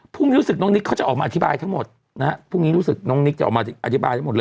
พรุ่งเนี้ยน้องนิษ้าเขาจะออกมาอธิบายทั้งหมด